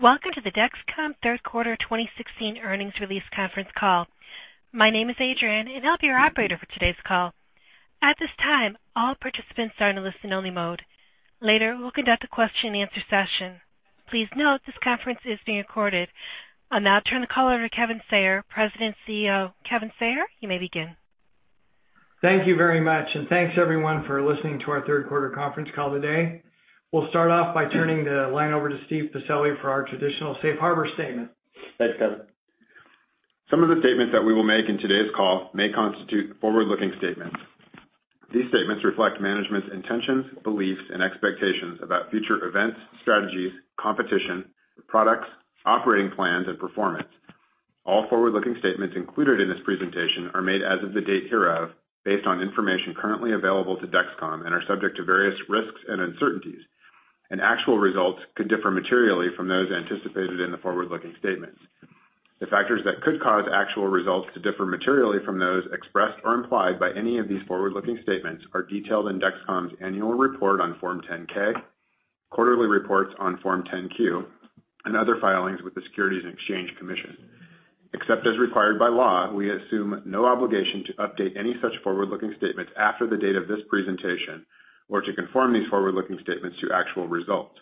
Welcome to the Dexcom third quarter 2016 earnings release conference call. My name is Adrian, and I'll be your operator for today's call. At this time, all participants are in a listen-only mode. Later, we'll conduct a question-and-answer session. Please note this conference is being recorded. I'll now turn the call over to Kevin Sayer, President and CEO. Kevin Sayer, you may begin. Thank you very much, and thanks, everyone, for listening to our third quarter conference call today. We'll start off by turning the line over to Steve Pacelli for our traditional safe harbor statement. Thanks, Kevin. Some of the statements that we will make in today's call may constitute forward-looking statements. These statements reflect management's intentions, beliefs, and expectations about future events, strategies, competition, products, operating plans, and performance. All forward-looking statements included in this presentation are made as of the date hereof based on information currently available to Dexcom and are subject to various risks and uncertainties. Actual results could differ materially from those anticipated in the forward-looking statements. The factors that could cause actual results to differ materially from those expressed or implied by any of these forward-looking statements are detailed in Dexcom's annual report on Form 10-K, quarterly reports on Form 10-Q, and other filings with the Securities and Exchange Commission. Except as required by law, we assume no obligation to update any such forward-looking statements after the date of this presentation or to conform these forward-looking statements to actual results.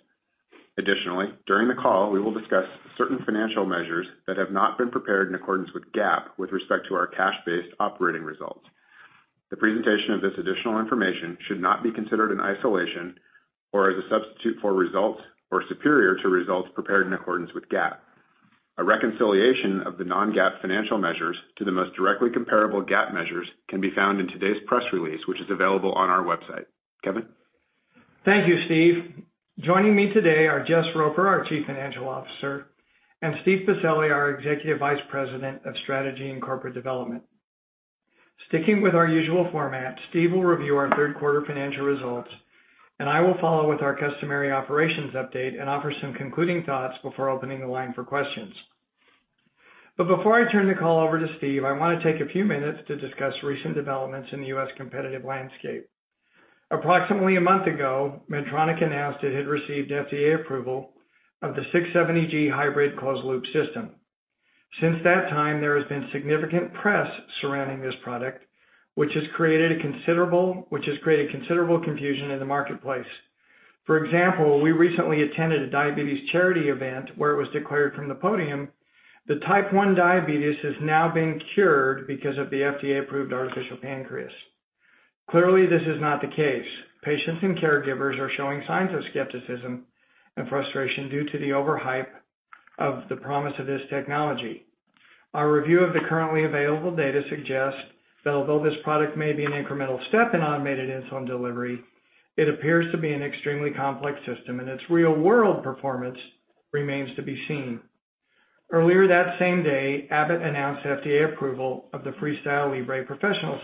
Additionally, during the call, we will discuss certain financial measures that have not been prepared in accordance with GAAP with respect to our cash-based operating results. The presentation of this additional information should not be considered in isolation or as a substitute for results or superior to results prepared in accordance with GAAP. A reconciliation of the non-GAAP financial measures to the most directly comparable GAAP measures can be found in today's press release, which is available on our website. Kevin? Thank you, Steve. Joining me today are Jess Roper, our Chief Financial Officer, and Steve Pacelli, our Executive Vice President of Strategy and Corporate Development. Sticking with our usual format, Steve will review our third quarter financial results, and I will follow with our customary operations update and offer some concluding thoughts before opening the line for questions. Before I turn the call over to Steve, I wanna take a few minutes to discuss recent developments in the U.S. competitive landscape. Approximately a month ago, Medtronic announced it had received FDA approval of the 670G Hybrid Closed Loop System. Since that time, there has been significant press surrounding this product, which has created considerable confusion in the marketplace. For example, we recently attended a diabetes charity event where it was declared from the podium that type 1 diabetes is now being cured because of the FDA-approved artificial pancreas. Clearly, this is not the case. Patients and caregivers are showing signs of skepticism and frustration due to the overhype of the promise of this technology. Our review of the currently available data suggests that although this product may be an incremental step in automated insulin delivery, it appears to be an extremely complex system, and its real-world performance remains to be seen. Earlier that same day, Abbott announced FDA approval of the FreeStyle Libre Pro.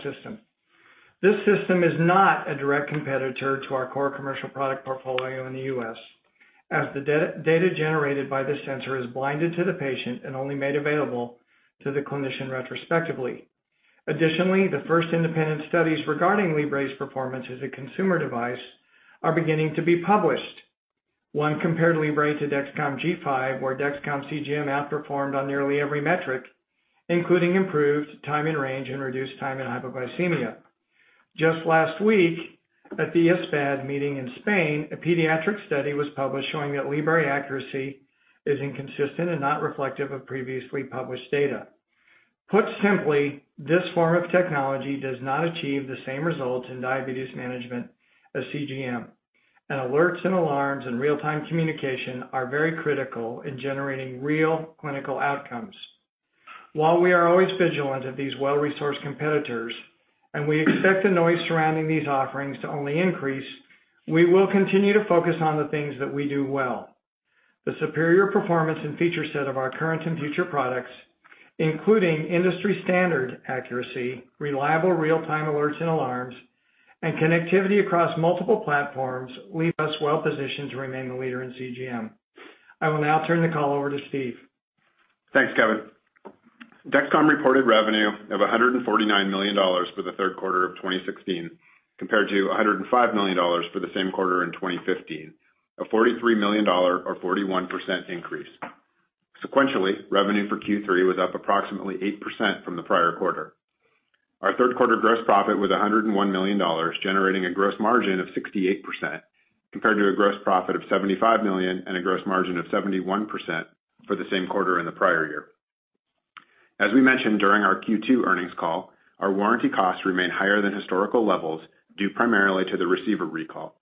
This system is not a direct competitor to our core commercial product portfolio in the U.S., as the data generated by this sensor is blinded to the patient and only made available to the clinician retrospectively. Additionally, the first independent studies regarding Libre's performance as a consumer device are beginning to be published. One compared Libre to Dexcom G5, where Dexcom CGM outperformed on nearly every metric, including improved time in range and reduced time in hypoglycemia. Just last week, at the ISPAD meeting in Spain, a pediatric study was published showing that Libre accuracy is inconsistent and not reflective of previously published data. Put simply, this form of technology does not achieve the same results in diabetes management as CGM, and alerts and alarms and real-time communication are very critical in generating real clinical outcomes. While we are always vigilant of these well-resourced competitors, and we expect the noise surrounding these offerings to only increase, we will continue to focus on the things that we do well. The superior performance and feature set of our current and future products, including industry-standard accuracy, reliable real-time alerts and alarms, and connectivity across multiple platforms leave us well positioned to remain the leader in CGM. I will now turn the call over to Steve. Thanks, Kevin. Dexcom reported revenue of $149 million for the third quarter of 2016, compared to $105 million for the same quarter in 2015, a $43 million or 41% increase. Sequentially, revenue for Q3 was up approximately 8% from the prior quarter. Our third quarter gross profit was $101 million, generating a gross margin of 68%, compared to a gross profit of $75 million and a gross margin of 71% for the same quarter in the prior year. As we mentioned during our Q2 earnings call, our warranty costs remain higher than historical levels due primarily to the receiver recall.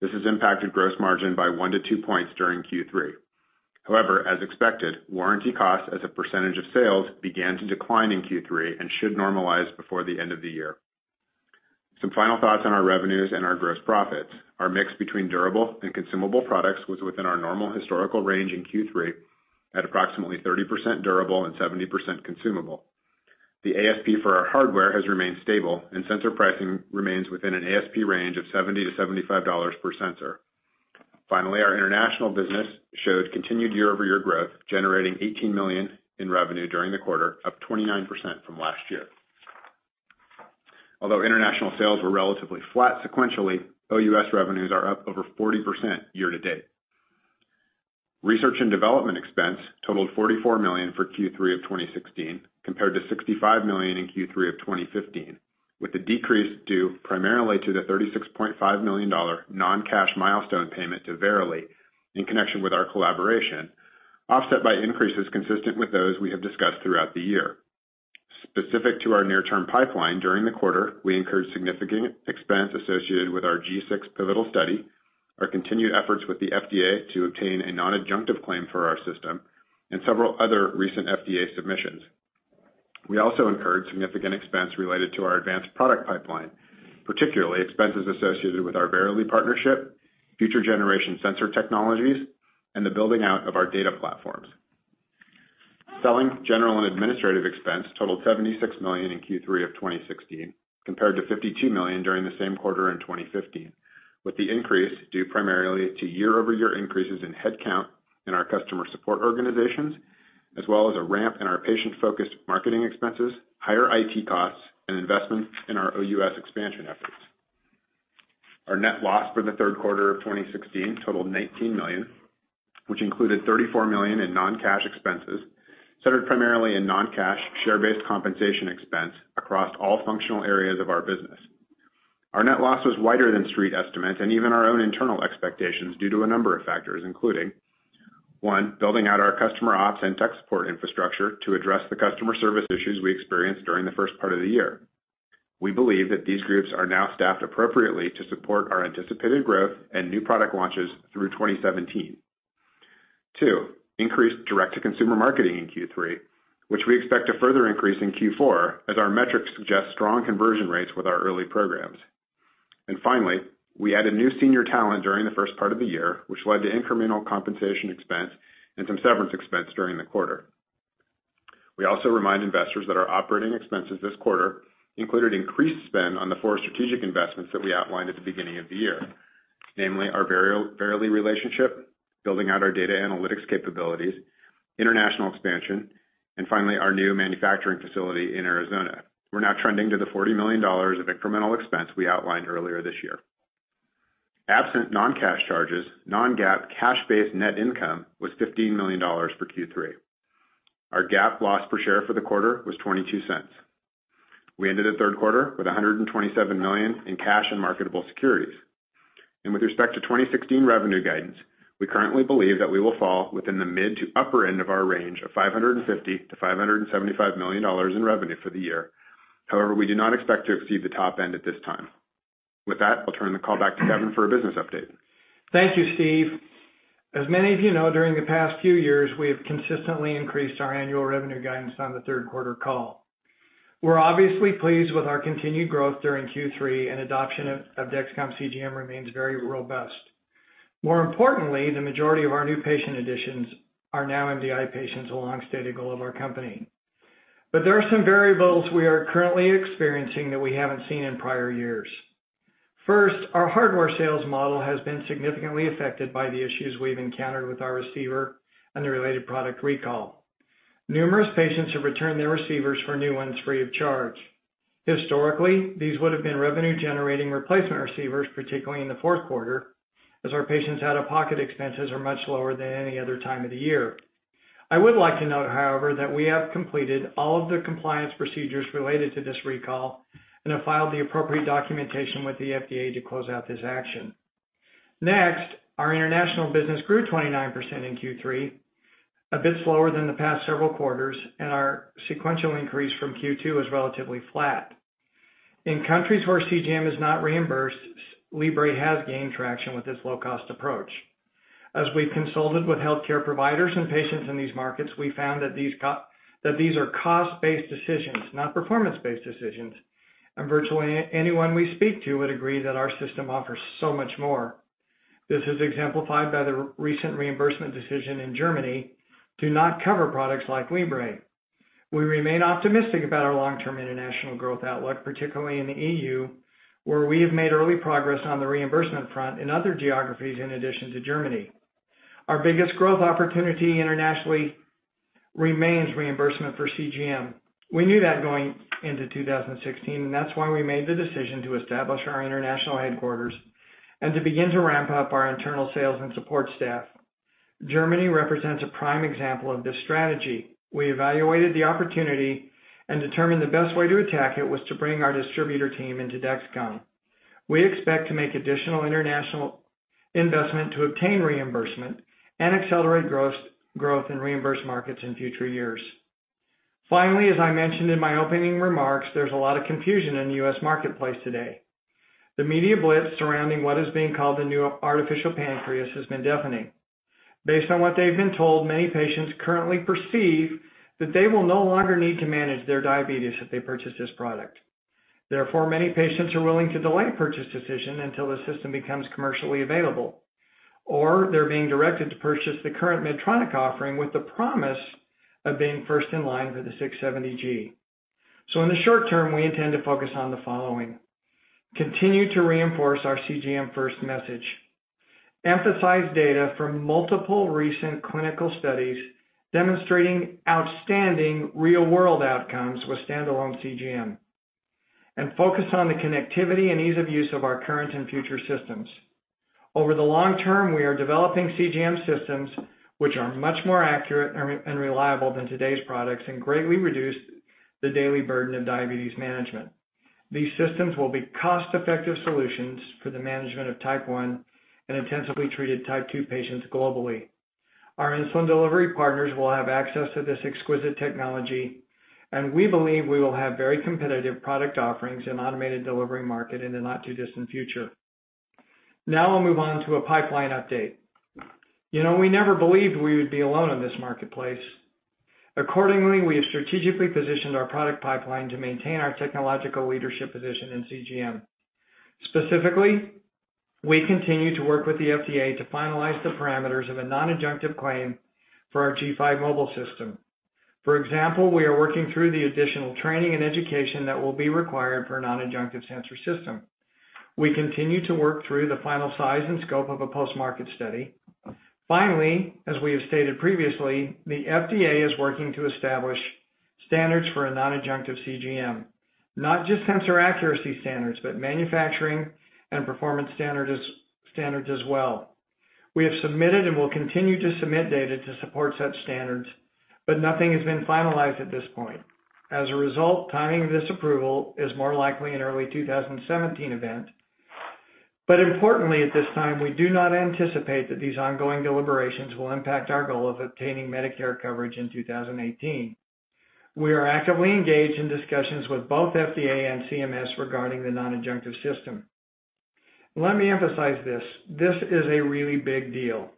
This has impacted gross margin by 1-2 points during Q3. However, as expected, warranty costs as a percentage of sales began to decline in Q3 and should normalize before the end of the year. Some final thoughts on our revenues and our gross profits. Our mix between durable and consumable products was within our normal historical range in Q3 at approximately 30% durable and 70% consumable. The ASP for our hardware has remained stable, and sensor pricing remains within an ASP range of $70-$75 per sensor. Finally, our international business showed continued year-over-year growth, generating $18 million in revenue during the quarter, up 29% from last year. Although international sales were relatively flat sequentially, OUS revenues are up over 40% year-to-date. Research and development expense totaled $44 million for Q3 of 2016, compared to $65 million in Q3 of 2015, with the decrease due primarily to the $36.5 million non-cash milestone payment to Verily in connection with our collaboration, offset by increases consistent with those we have discussed throughout the year. Specific to our near-term pipeline during the quarter, we incurred significant expense associated with our G6 pivotal study, our continued efforts with the FDA to obtain a non-adjunctive claim for our system, and several other recent FDA submissions. We also incurred significant expense related to our advanced product pipeline, particularly expenses associated with our Verily partnership, future generation sensor technologies, and the building out of our data platforms. Selling general and administrative expense totaled $76 million in Q3 of 2016, compared to $52 million during the same quarter in 2015, with the increase due primarily to year-over-year increases in headcount in our customer support organizations, as well as a ramp in our patient-focused marketing expenses, higher IT costs, and investments in our OUS expansion efforts. Our net loss for the third quarter of 2016 totaled $19 million, which included $34 million in non-cash expenses, centered primarily in non-cash share-based compensation expense across all functional areas of our business. Our net loss was wider than street estimates and even our own internal expectations due to a number of factors, including one, building out our customer ops and tech support infrastructure to address the customer service issues we experienced during the first part of the year. We believe that these groups are now staffed appropriately to support our anticipated growth and new product launches through 2017. Two, increased direct-to-consumer marketing in Q3, which we expect to further increase in Q4 as our metrics suggest strong conversion rates with our early programs. Finally, we added new senior talent during the first part of the year, which led to incremental compensation expense and some severance expense during the quarter. We also remind investors that our operating expenses this quarter included increased spend on the four strategic investments that we outlined at the beginning of the year, namely our Verily relationship, building out our data analytics capabilities, international expansion, and finally, our new manufacturing facility in Arizona. We're now trending to the $40 million of incremental expense we outlined earlier this year. Absent non-cash charges, non-GAAP cash-based net income was $15 million for Q3. Our GAAP loss per share for the quarter was $0.22. We ended the third quarter with $127 million in cash and marketable securities. With respect to 2016 revenue guidance, we currently believe that we will fall within the mid to upper end of our range of $550 million-$575 million in revenue for the year. However, we do not expect to exceed the top end at this time. With that, I'll turn the call back to Kevin for a business update. Thank you, Steve. As many of you know, during the past few years, we have consistently increased our annual revenue guidance on the third quarter call. We're obviously pleased with our continued growth during Q3 and adoption of Dexcom CGM remains very robust. More importantly, the majority of our new patient additions are now MDI patients, a long-stated goal of our company. There are some variables we are currently experiencing that we haven't seen in prior years. First, our hardware sales model has been significantly affected by the issues we've encountered with our receiver and the related product recall. Numerous patients have returned their receivers for new ones free of charge. Historically, these would have been revenue-generating replacement receivers, particularly in the fourth quarter, as our patients' out-of-pocket expenses are much lower than any other time of the year. I would like to note, however, that we have completed all of the compliance procedures related to this recall and have filed the appropriate documentation with the FDA to close out this action. Next, our international business grew 29% in Q3, a bit slower than the past several quarters, and our sequential increase from Q2 was relatively flat. In countries where CGM is not reimbursed, FreeStyle Libre has gained traction with its low-cost approach. As we've consulted with healthcare providers and patients in these markets, we found that these are cost-based decisions, not performance-based decisions, and virtually anyone we speak to would agree that our system offers so much more. This is exemplified by the recent reimbursement decision in Germany to not cover products like FreeStyle Libre. We remain optimistic about our long-term international growth outlook, particularly in the EU, where we have made early progress on the reimbursement front in other geographies in addition to Germany. Our biggest growth opportunity internationally remains reimbursement for CGM. We knew that going into 2016, and that's why we made the decision to establish our international headquarters and to begin to ramp up our internal sales and support staff. Germany represents a prime example of this strategy. We evaluated the opportunity and determined the best way to attack it was to bring our distributor team into Dexcom. We expect to make additional international investment to obtain reimbursement and accelerate growth in reimbursed markets in future years. Finally, as I mentioned in my opening remarks, there's a lot of confusion in the US marketplace today. The media blitz surrounding what is being called the new artificial pancreas has been deafening. Based on what they've been told, many patients currently perceive that they will no longer need to manage their diabetes if they purchase this product. Therefore, many patients are willing to delay purchase decision until the system becomes commercially available. They're being directed to purchase the current Medtronic offering with the promise of being first in line for the 670G. In the short term, we intend to focus on the following. Continue to reinforce our CGM first message. Emphasize data from multiple recent clinical studies demonstrating outstanding real-world outcomes with standalone CGM, and focus on the connectivity and ease of use of our current and future systems. Over the long term, we are developing CGM systems which are much more accurate and reliable than today's products and greatly reduce the daily burden of diabetes management. These systems will be cost-effective solutions for the management of type 1 and intensively treated type 2 patients globally. Our insulin delivery partners will have access to this exquisite technology, and we believe we will have very competitive product offerings in automated delivery market in the not-too-distant future. Now I'll move on to a pipeline update. You know, we never believed we would be alone in this marketplace. Accordingly, we have strategically positioned our product pipeline to maintain our technological leadership position in CGM. Specifically, we continue to work with the FDA to finalize the parameters of a non-adjunctive claim for our G5 Mobile system. For example, we are working through the additional training and education that will be required for a non-adjunctive sensor system. We continue to work through the final size and scope of a post-market study. Finally, as we have stated previously, the FDA is working to establish standards for a non-adjunctive CGM. Not just sensor accuracy standards, but manufacturing and performance standards as well. We have submitted and will continue to submit data to support such standards, but nothing has been finalized at this point. As a result, timing of this approval is more likely an early 2017 event. Importantly, at this time, we do not anticipate that these ongoing deliberations will impact our goal of obtaining Medicare coverage in 2018. We are actively engaged in discussions with both FDA and CMS regarding the non-adjunctive system. Let me emphasize this. This is a really big deal.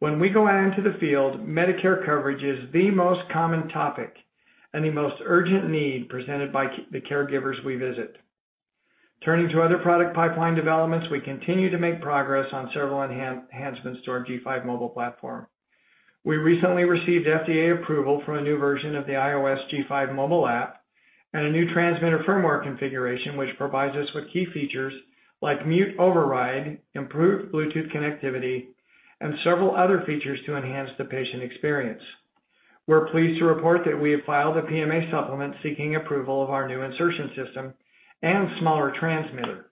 When we go out into the field, Medicare coverage is the most common topic and the most urgent need presented by the caregivers we visit. Turning to other product pipeline developments, we continue to make progress on several enhancements to our G5 Mobile platform. We recently received FDA approval for a new version of the iOS G5 Mobile app and a new transmitter firmware configuration which provides us with key features like mute override, improved Bluetooth connectivity, and several other features to enhance the patient experience. We're pleased to report that we have filed a PMA supplement seeking approval of our new insertion system and smaller transmitter.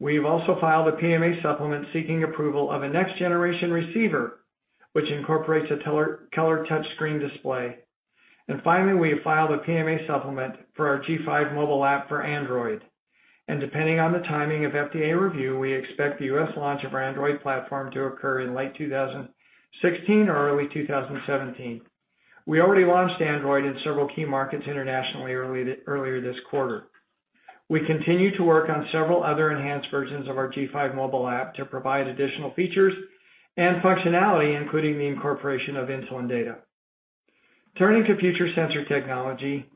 We've also filed a PMA supplement seeking approval of a next-generation receiver, which incorporates a color touchscreen display. Finally, we have filed a PMA supplement for our G5 Mobile app for Android. Depending on the timing of FDA review, we expect the U.S. launch of our Android platform to occur in late 2016 or early 2017. We already launched Android in several key markets internationally earlier this quarter. We continue to work on several other enhanced versions of our G5 Mobile app to provide additional features and functionality, including the incorporation of insulin data. Turning to future sensor technology,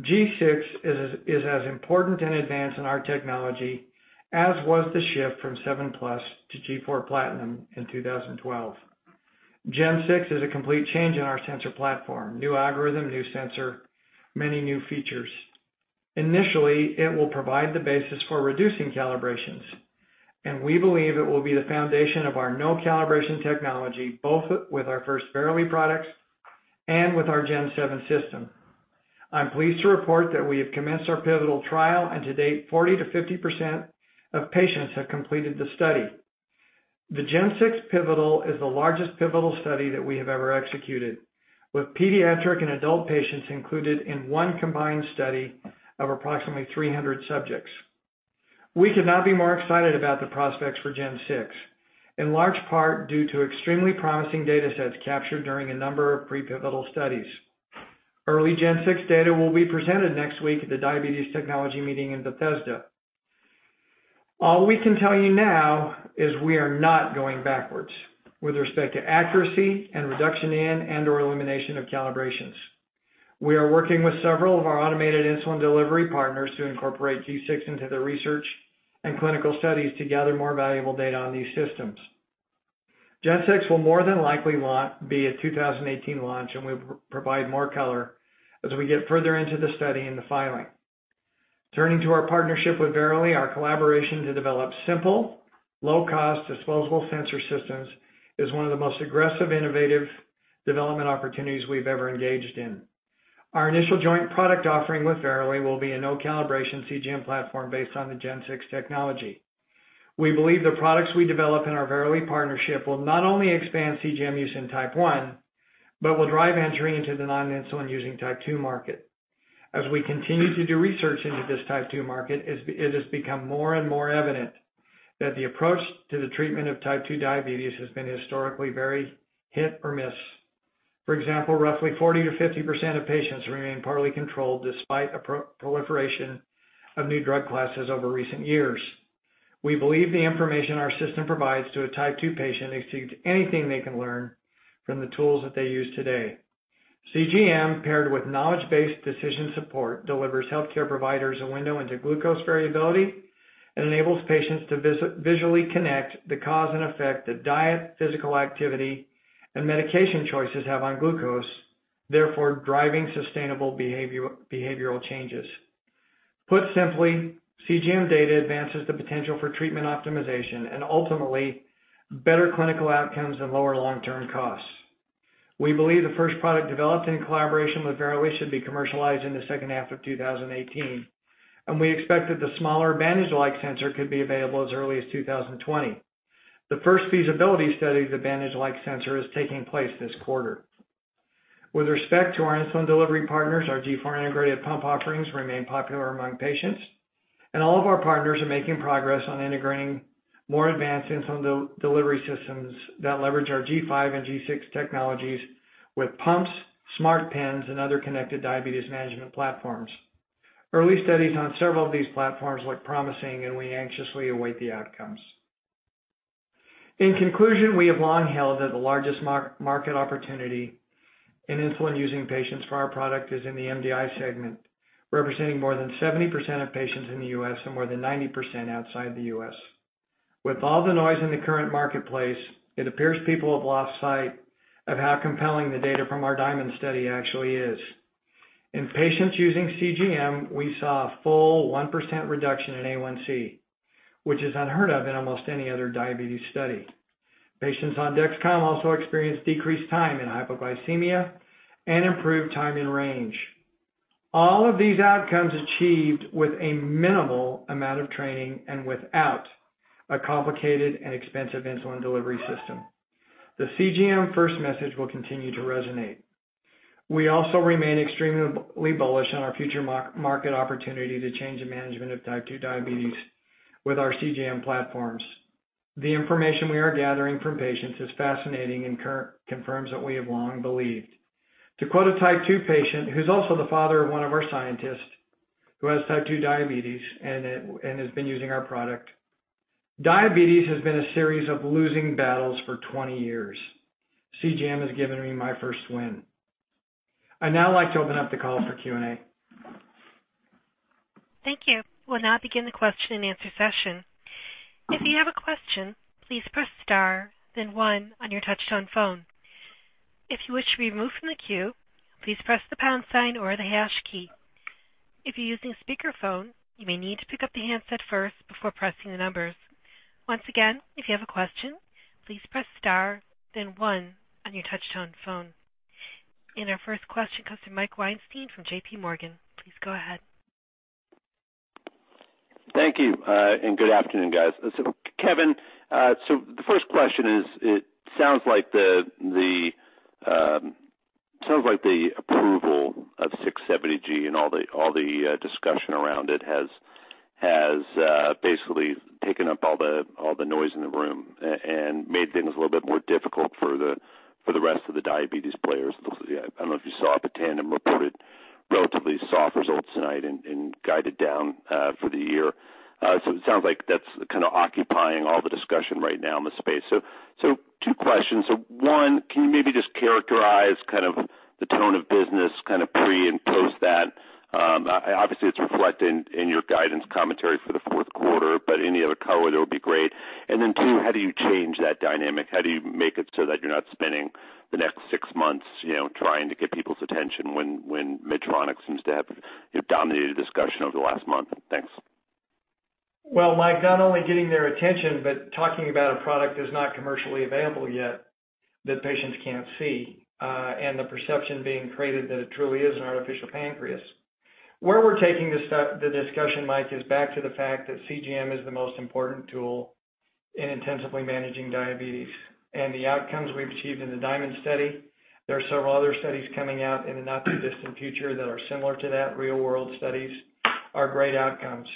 G6 is as important an advance in our technology as was the shift from Seven Plus to G4 Platinum in 2012. G6 is a complete change in our sensor platform, new algorithm, new sensor, many new features. Initially, it will provide the basis for reducing calibrations, and we believe it will be the foundation of our no-calibration technology, both with our first Verily products and with our G7 system. I'm pleased to report that we have commenced our pivotal trial, and to date, 40%-50% of patients have completed the study. The G6 pivotal is the largest pivotal study that we have ever executed, with pediatric and adult patients included in one combined study of approximately 300 subjects. We could not be more excited about the prospects for G6, in large part due to extremely promising data sets captured during a number of pre-pivotal studies. Early G6 data will be presented next week at the Diabetes Technology Meeting in Bethesda. All we can tell you now is we are not going backwards with respect to accuracy and reduction in and/or elimination of calibrations. We are working with several of our automated insulin delivery partners to incorporate G6 into their research and clinical studies to gather more valuable data on these systems. Gen 6 will more than likely be a 2018 launch, and we'll provide more color as we get further into the study and the filing. Turning to our partnership with Verily, our collaboration to develop simple, low-cost disposable sensor systems is one of the most aggressive, innovative development opportunities we've ever engaged in. Our initial joint product offering with Verily will be a no-calibration CGM platform based on the Gen 6 technology. We believe the products we develop in our Verily partnership will not only expand CGM use in type 1, but will drive entry into the non-insulin using type 2 market. As we continue to do research into this type 2 market, it has become more and more evident that the approach to the treatment of type 2 diabetes has been historically very hit or miss. For example, roughly 40%-50% of patients remain poorly controlled despite a proliferation of new drug classes over recent years. We believe the information our system provides to a type 2 patient exceeds anything they can learn from the tools that they use today. CGM paired with knowledge-based decision support delivers healthcare providers a window into glucose variability and enables patients to visually connect the cause and effect that diet, physical activity, and medication choices have on glucose, therefore, driving sustainable behavioral changes. Put simply, CGM data advances the potential for treatment optimization and ultimately better clinical outcomes and lower long-term costs. We believe the first product developed in collaboration with Verily should be commercialized in the second half of 2018, and we expect that the smaller bandage-like sensor could be available as early as 2020. The first feasibility study of the bandage-like sensor is taking place this quarter. With respect to our insulin delivery partners, our G4-integrated pump offerings remain popular among patients, and all of our partners are making progress on integrating more advanced insulin delivery systems that leverage our G5 and G6 technologies with pumps, smart pens, and other connected diabetes management platforms. Early studies on several of these platforms look promising, and we anxiously await the outcomes. In conclusion, we have long held that the largest market opportunity in insulin-using patients for our product is in the MDI segment, representing more than 70% of patients in the U.S. and more than 90% outside the U.S. With all the noise in the current marketplace, it appears people have lost sight of how compelling the data from our DIaMonD study actually is. In patients using CGM, we saw a full 1% reduction in A1C, which is unheard of in almost any other diabetes study. Patients on Dexcom also experienced decreased time in hypoglycemia and improved time in range. All of these outcomes achieved with a minimal amount of training and without a complicated and expensive insulin delivery system. The CGM first message will continue to resonate. We also remain extremely bullish on our future market opportunity to change the management of type 2 diabetes with our CGM platforms. The information we are gathering from patients is fascinating and confirms what we have long believed. To quote a type 2 patient who's also the father of one of our scientists, who has type 2 diabetes and has been using our product, "Diabetes has been a series of losing battles for 20 years. CGM has given me my first win." I'd now like to open up the call for Q&A. Thank you. We'll now begin the question-and-answer session. If you have a question, please press star then one on your touchtone phone. If you wish to be removed from the queue, please press the pound sign or the hash key. If you're using a speakerphone, you may need to pick up the handset first before pressing the numbers. Once again, if you have a question, please press star then one on your touchtone phone. Our first question comes from Mike Weinstein from JPMorgan. Please go ahead. Thank you, and good afternoon, guys. Kevin, the first question is, it sounds like the approval of 670G and all the discussion around it has basically taken up all the noise in the room and made things a little bit more difficult for the rest of the diabetes players. I don't know if you saw, but Tandem reported relatively soft results tonight and guided down for the year. It sounds like that's kind of occupying all the discussion right now in the space. Two questions. One, can you maybe just characterize kind of the tone of business kind of pre and post that? Obviously, it's reflected in your guidance commentary for the fourth quarter, but any other color there would be great. Two, how do you change that dynamic? How do you make it so that you're not spending the next six months, you know, trying to get people's attention when Medtronic seems to have dominated the discussion over the last month? Thanks. Well, Mike, not only getting their attention, but talking about a product that's not commercially available yet, that patients can't see, and the perception being created that it truly is an artificial pancreas. Where we're taking this, the discussion, Mike, is back to the fact that CGM is the most important tool in intensively managing diabetes. The outcomes we've achieved in the DIaMonD study, there are several other studies coming out in the not too distant future that are similar to that, real-world studies, are great outcomes.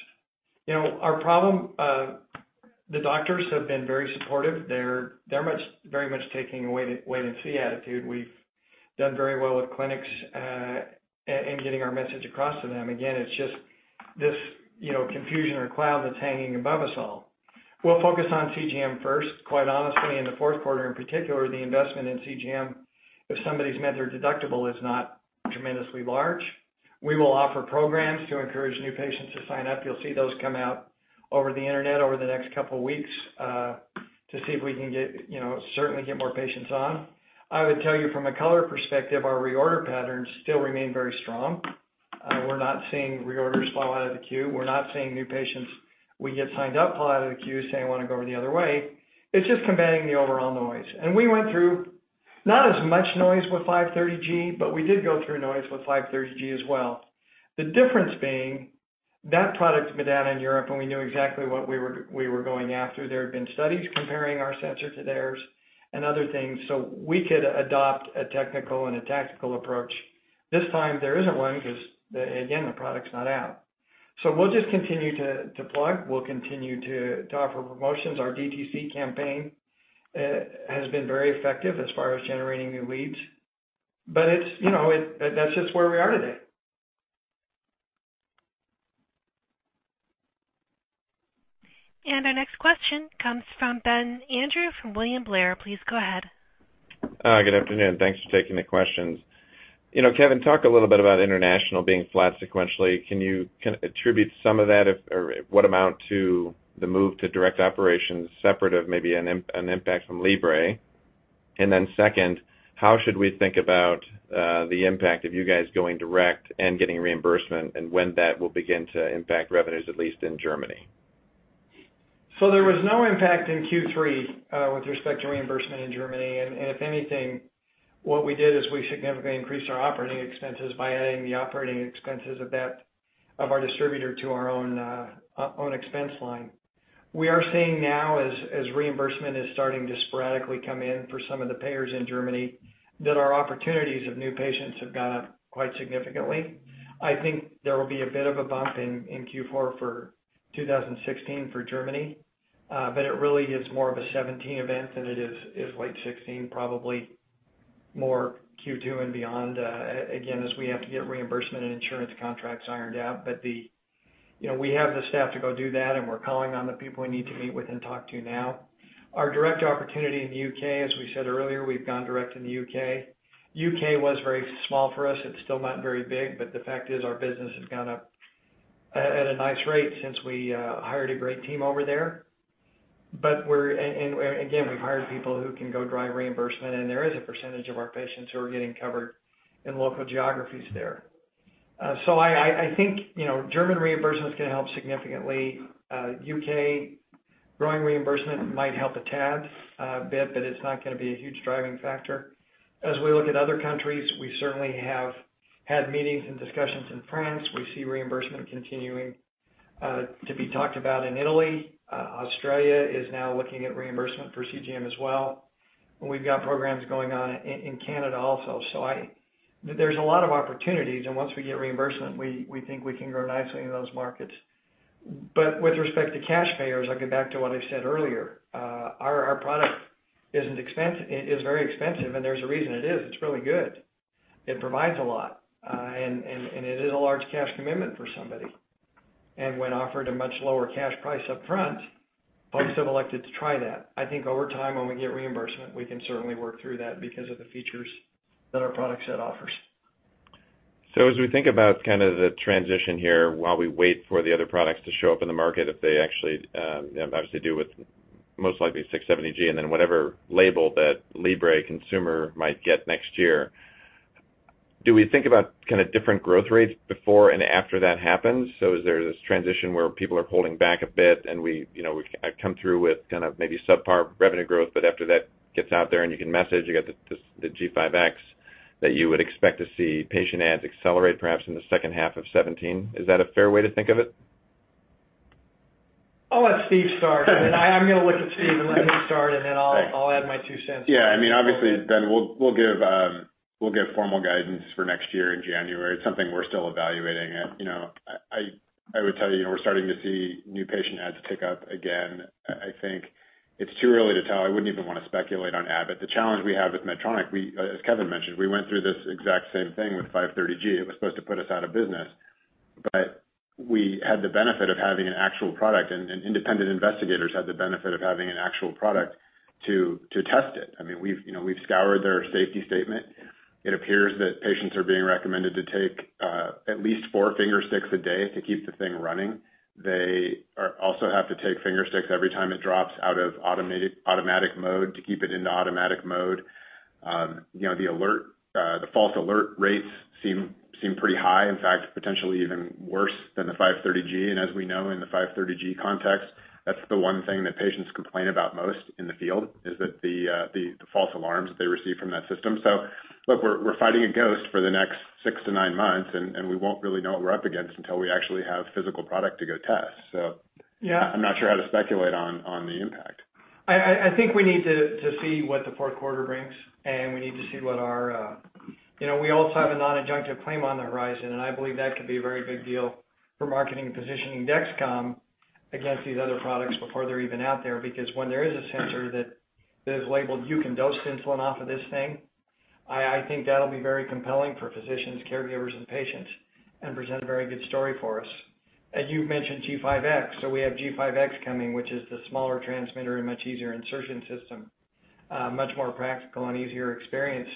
You know, our problem, the doctors have been very supportive. They're very much taking a wait-and-see attitude. We've done very well with clinics in getting our message across to them. Again, it's just this, you know, confusion or cloud that's hanging above us all. We'll focus on CGM first, quite honestly, in the fourth quarter in particular, the investment in CGM, if somebody's met their deductible, is not tremendously large. We will offer programs to encourage new patients to sign up. You'll see those come out over the internet over the next couple of weeks to see if we can get, you know, certainly get more patients on. I would tell you from a color perspective, our reorder patterns still remain very strong. We're not seeing reorders fall out of the queue. We're not seeing new patients we get signed up fall out of the queue saying, "I wanna go over the other way." It's just combating the overall noise. We went through not as much noise with 530G, but we did go through noise with 530G as well. The difference being that product's been out in Europe, and we knew exactly what we were going after. There have been studies comparing our sensor to theirs and other things, so we could adopt a technical and a tactical approach. This time, there isn't one because, again, the product's not out. We'll just continue to plug. We'll continue to offer promotions. Our DTC campaign has been very effective as far as generating new leads. It's, you know, that's just where we are today. Our next question comes from Ben Andrew from William Blair. Please go ahead. Good afternoon. Thanks for taking the questions. You know, Kevin, talk a little bit about international being flat sequentially. Can you kind of attribute some of that, or what amount, to the move to direct operations separate of maybe an impact from Libre? Second, how should we think about the impact of you guys going direct and getting reimbursement and when that will begin to impact revenues, at least in Germany? There was no impact in Q3 with respect to reimbursement in Germany. If anything, what we did is we significantly increased our operating expenses by adding the operating expenses of our distributor to our own expense line. We are seeing now as reimbursement is starting to sporadically come in for some of the payers in Germany, that our opportunities of new patients have gone up quite significantly. I think there will be a bit of a bump in Q4 for 2016 for Germany. It really is more of a 2017 event than it is late 2016, probably more Q2 and beyond, again, as we have to get reimbursement and insurance contracts ironed out. You know, we have the staff to go do that, and we're calling on the people we need to meet with and talk to now. Our direct opportunity in the U.K., as we said earlier, we've gone direct in the U.K. U.K. was very small for us. It's still not very big, but the fact is our business has gone up at a nice rate since we hired a great team over there. Again, we've hired people who can go drive reimbursement, and there is a percentage of our patients who are getting covered in local geographies there. I think, you know, German reimbursement is gonna help significantly. U.K. growing reimbursement might help a tad bit, but it's not gonna be a huge driving factor. As we look at other countries, we certainly have had meetings and discussions in France. We see reimbursement continuing to be talked about in Italy. Australia is now looking at reimbursement for CGM as well. We've got programs going on in Canada also. There's a lot of opportunities, and once we get reimbursement, we think we can grow nicely in those markets. With respect to cash payers, I'll get back to what I said earlier. Our product isn't expensive. It is very expensive, and there's a reason it is. It's really good. It provides a lot, and it is a large cash commitment for somebody. When offered a much lower cash price up front, folks have elected to try that. I think over time, when we get reimbursement, we can certainly work through that because of the features that our product set offers. As we think about kind of the transition here while we wait for the other products to show up in the market, if they actually, obviously do with most likely 670G and then whatever label that Libre consumer might get next year, do we think about kind of different growth rates before and after that happens? Is there this transition where people are holding back a bit and we, you know, I've come through with kind of maybe subpar revenue growth, but after that gets out there and you can message, you got the G5X that you would expect to see patient adds accelerate perhaps in the second half of 2017. Is that a fair way to think of it? I'll let Steve start. I mean, I'm gonna look at Steve and let him start, and then I'll add my two cents. Yeah. I mean, obviously, Ben, we'll give formal guidance for next year in January. It's something we're still evaluating. You know, I would tell you know, we're starting to see new patient adds tick up again. I think it's too early to tell. I wouldn't even wanna speculate on Abbott. The challenge we have with Medtronic, as Kevin mentioned, we went through this exact same thing with 530G. It was supposed to put us out of business. We had the benefit of having an actual product, and independent investigators had the benefit of having an actual product to test it. I mean, you know, we've scoured their safety statement. It appears that patients are being recommended to take at least four finger sticks a day to keep the thing running. They also have to take finger sticks every time it drops out of automatic mode to keep it in the automatic mode. You know, the alert, the false alert rates seem pretty high, in fact, potentially even worse than the 530G. As we know in the 530G context, that's the one thing that patients complain about most in the field, is that the false alarms that they receive from that system. Look, we're fighting a ghost for the next six to nine months, and we won't really know what we're up against until we actually have physical product to go test. Yeah. I'm not sure how to speculate on the impact. I think we need to see what the fourth quarter brings, and we need to see what our you know, we also have a non-adjunctive claim on the horizon, and I believe that could be a very big deal for marketing and positioning Dexcom against these other products before they're even out there. Because when there is a sensor that is labeled, you can dose insulin off of this thing, I think that'll be very compelling for physicians, caregivers, and patients and present a very good story for us. As you've mentioned G5X, so we have G5X coming, which is the smaller transmitter and much easier insertion system, much more practical and easier experience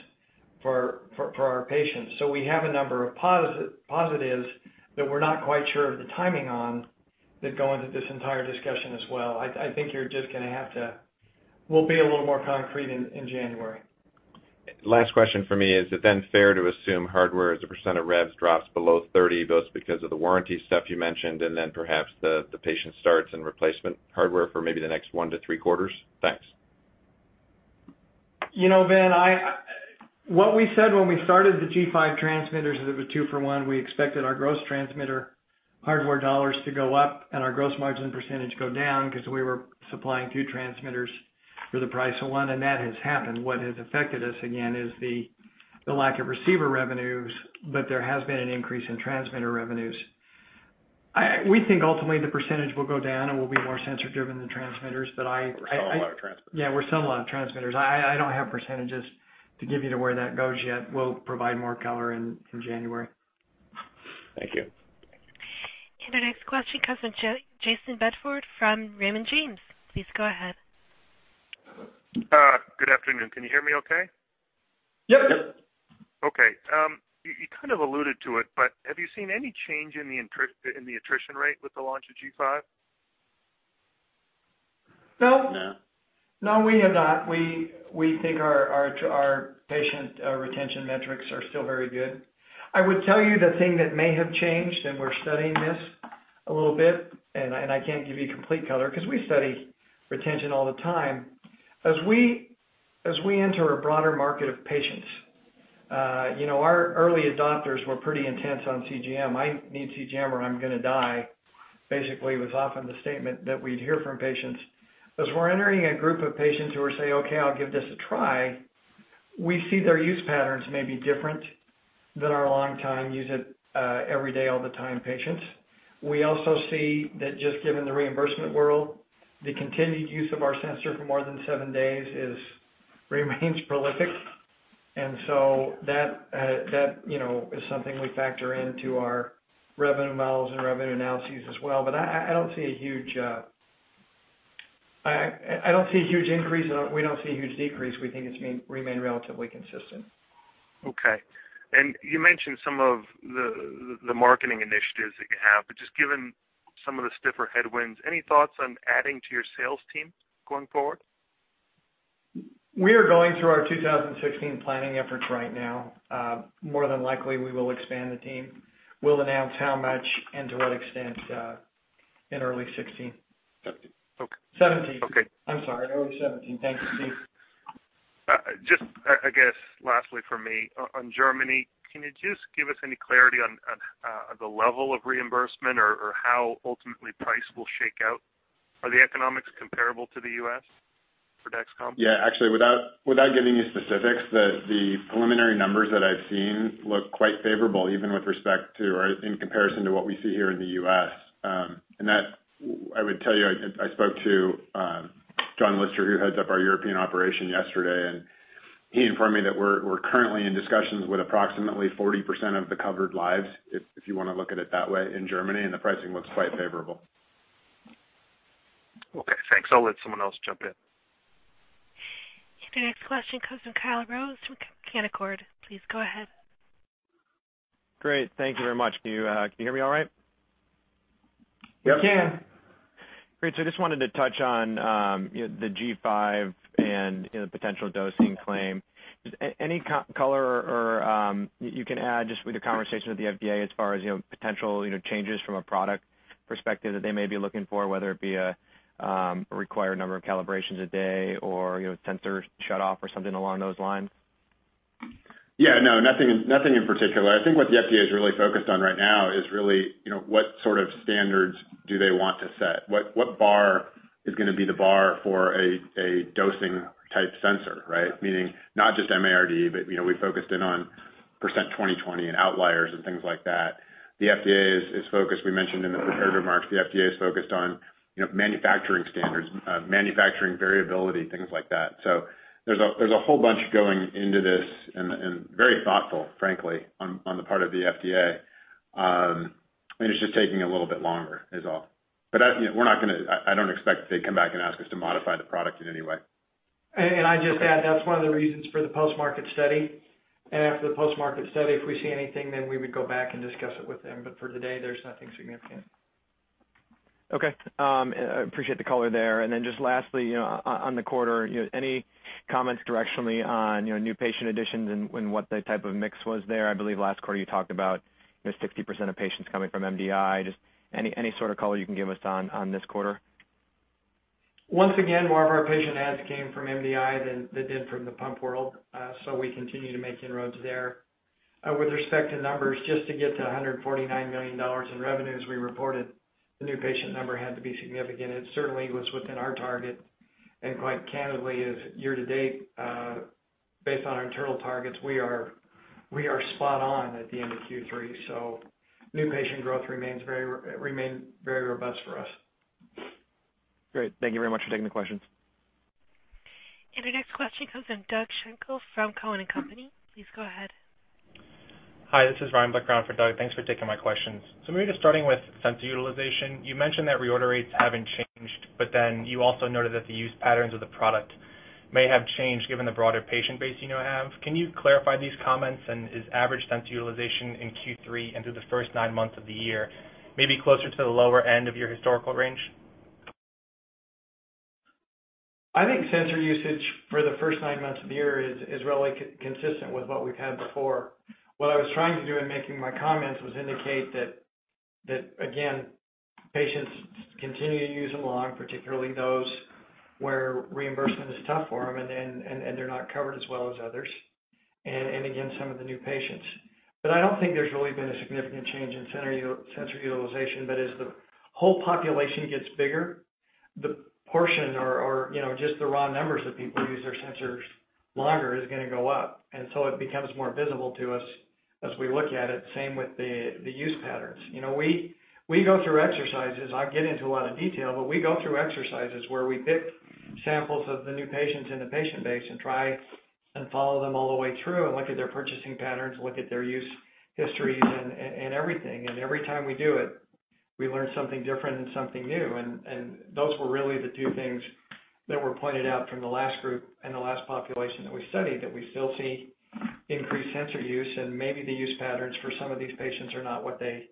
for our patients. We have a number of positives that we're not quite sure of the timing on that go into this entire discussion as well. We'll be a little more concrete in January. Last question for me. Is it then fair to assume hardware as a percent of revs drops below 30%, both because of the warranty stuff you mentioned, and then perhaps the patient starts and replacement hardware for maybe the next 1-3 quarters? Thanks. You know, Ben, what we said when we started the G5 transmitters is it was two for one. We expected our gross transmitter hardware dollars to go up and our gross margin percentage go down because we were supplying two transmitters for the price of one, and that has happened. What has affected us again is the lack of receiver revenues, but there has been an increase in transmitter revenues. We think ultimately the percentage will go down, and we'll be more sensor-driven than transmitters. We sell a lot of transmitters. Yeah, we sell a lot of transmitters. I don't have percentages to give you to where that goes yet. We'll provide more color in January. Thank you. Our next question comes from Jayson Bedford from Raymond James. Please go ahead. Good afternoon. Can you hear me okay? Yep. Okay. You kind of alluded to it, but have you seen any change in the attrition rate with the launch of G5? No. No. No, we have not. We think our patient retention metrics are still very good. I would tell you the thing that may have changed, and we're studying this a little bit, and I can't give you complete color because we study retention all the time. As we enter a broader market of patients, you know, our early adopters were pretty intense on CGM. I need CGM or I'm gonna die, basically, was often the statement that we'd hear from patients. As we're entering a group of patients who will say, "Okay, I'll give this a try," we see their use patterns may be different than our long-time users, every day, all the time patients. We also see that just given the reimbursement world, the continued use of our sensor for more than seven days remains prolific. that you know is something we factor into our revenue models and revenue analyses as well. I don't see a huge increase. We don't see a huge decrease. We think it's remain relatively consistent. Okay. You mentioned some of the marketing initiatives that you have. Just given some of the stiffer headwinds, any thoughts on adding to your sales team going forward? We are going through our 2016 planning efforts right now. More than likely, we will expand the team. We'll announce how much and to what extent in early 2016. Okay. 2017. Okay. I'm sorry, early 2017. Thank you, Steve. Just, I guess lastly from me. On Germany, can you just give us any clarity on the level of reimbursement or how ultimately price will shake out? Are the economics comparable to the U.S. for Dexcom? Yeah. Actually, without giving you specifics, the preliminary numbers that I've seen look quite favorable, even with respect to or in comparison to what we see here in the U.S. I would tell you, I spoke to John Lister, who heads up our European operation yesterday, and he informed me that we're currently in discussions with approximately 40% of the covered lives, if you wanna look at it that way in Germany, and the pricing looks quite favorable. Okay, thanks. I'll let someone else jump in. Your next question comes from Kyle Rose from Canaccord. Please go ahead. Great. Thank you very much. Can you hear me all right? We can. Great. I just wanted to touch on, you know, the G5 and, you know, the potential dosing claim. Is any color or can you add to the conversation with the FDA as far as, you know, potential, you know, changes from a product perspective that they may be looking for, whether it be a required number of calibrations a day or, you know, sensor shut off or something along those lines? Yeah, no, nothing in particular. I think what the FDA is really focused on right now is, you know, what sort of standards do they want to set? What bar is gonna be the bar for a dosing type sensor, right? Meaning not just MARD, but you know, we focused in on 20%/20% and outliers and things like that. The FDA is focused, we mentioned in the prepared remarks, the FDA is focused on, you know, manufacturing standards, manufacturing variability, things like that. So there's a whole bunch going into this and very thoughtful, frankly, on the part of the FDA. And it's just taking a little bit longer is all. I don't expect they come back and ask us to modify the product in any way. I just add, that's one of the reasons for the post-market study. After the post-market study, if we see anything, then we would go back and discuss it with them. For today, there's nothing significant. Okay, appreciate the color there. Then just lastly, you know, on the quarter, you know, any comments directionally on, you know, new patient additions and what the type of mix was there? I believe last quarter you talked about, you know, 60% of patients coming from MDI. Just any sort of color you can give us on this quarter. Once again, more of our patient adds came from MDI than they did from the pump world. We continue to make inroads there. With respect to numbers, just to get to $149 million in revenues we reported, the new patient number had to be significant. It certainly was within our target. Quite candidly, as year to date, based on our internal targets, we are spot on at the end of Q3. New patient growth remains very robust for us. Great. Thank you very much for taking the questions. The next question comes from Doug Schenkel from Cowen and Company. Please go ahead. Hi, this is Ryan Blicker for Doug. Thanks for taking my questions. Maybe just starting with sensor utilization. You mentioned that reorder rates haven't changed, but then you also noted that the use patterns of the product may have changed given the broader patient base you now have. Can you clarify these comments? Is average sensor utilization in Q3 and through the first nine months of the year, maybe closer to the lower end of your historical range? I think sensor usage for the first nine months of the year is really consistent with what we've had before. What I was trying to do in making my comments was indicate that again, patients continue to use them a lot, particularly those where reimbursement is tough for them and they're not covered as well as others and again, some of the new patients. I don't think there's really been a significant change in sensor utilization. As the whole population gets bigger, the portion or, you know, just the raw numbers of people who use their sensors longer is gonna go up. It becomes more visible to us as we look at it, same with the use patterns. You know, we go through exercises. I'll get into a lot of detail, but we go through exercises where we pick samples of the new patients in the patient base and try and follow them all the way through and look at their purchasing patterns, look at their use histories and everything. Every time we do it, we learn something different and something new. Those were really the two things that were pointed out from the last group and the last population that we studied that we still see increased sensor use and maybe the use patterns for some of these patients are not what they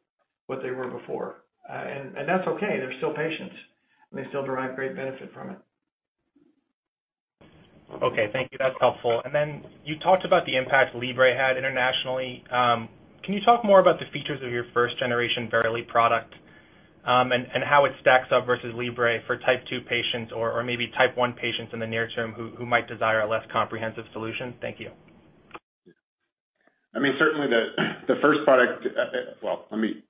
were before. That's okay, they're still patients, and they still derive great benefit from it. Okay. Thank you. That's helpful. You talked about the impact Libre had internationally. Can you talk more about the features of your first generation Verily product, and how it stacks up versus Libre for type 2 patients or maybe type 1 patients in the near term who might desire a less comprehensive solution? Thank you. I mean, certainly the first product. Well, let me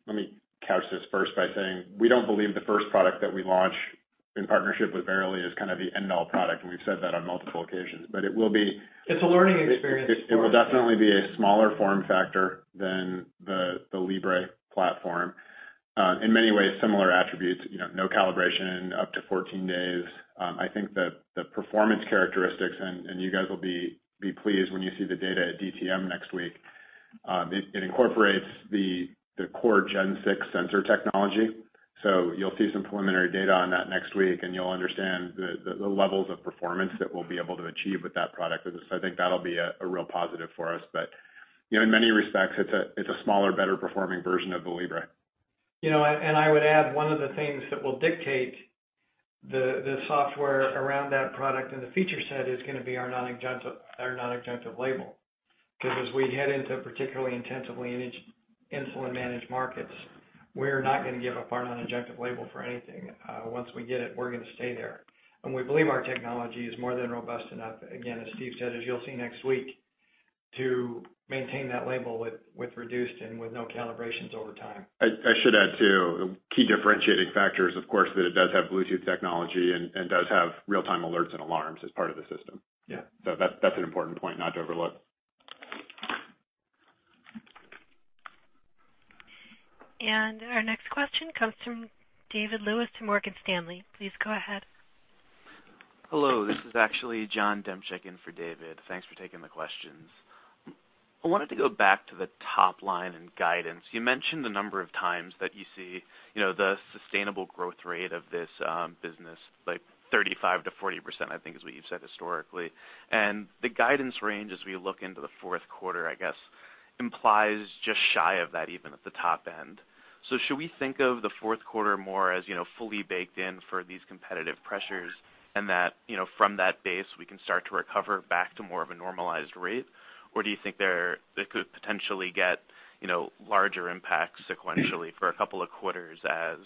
couch this first by saying we don't believe the first product that we launch in partnership with Verily is kind of the end all product, and we've said that on multiple occasions. It will be- It's a learning experience for us, yeah. It will definitely be a smaller form factor than the Libre platform. In many ways, similar attributes, you know, no calibration, up to 14 days. I think the performance characteristics, and you guys will be pleased when you see the data at DTM next week. It incorporates the core Gen 6 sensor technology. You'll see some preliminary data on that next week, and you'll understand the levels of performance that we'll be able to achieve with that product. I think that'll be a real positive for us. You know, in many respects, it's a smaller, better performing version of the Libre. You know, I would add one of the things that will dictate the software around that product and the feature set is gonna be our non-adjunctive label. Because as we head into particularly intensive insulin-managed markets, we're not gonna give up our non-adjunctive label for anything. Once we get it, we're gonna stay there. We believe our technology is more than robust enough, again, as Steve said, as you'll see next week, to maintain that label with reduced and no calibrations over time. I should add too, key differentiating factors, of course, that it does have Bluetooth technology and does have real-time alerts and alarms as part of the system. Yeah. That, that's an important point not to overlook. Our next question comes from David Lewis from Morgan Stanley. Please go ahead. Hello, this is actually Jon Demchick in for David. Thanks for taking the questions. I wanted to go back to the top line and guidance. You mentioned the number of times that you see, you know, the sustainable growth rate of this business like 35%-40%, I think, is what you've said historically. The guidance range as we look into the fourth quarter, I guess, implies just shy of that even at the top end. Should we think of the fourth quarter more as, you know, fully baked in for these competitive pressures and that, you know, from that base, we can start to recover back to more of a normalized rate? Do you think there, it could potentially get, you know, larger impacts sequentially for a couple of quarters as,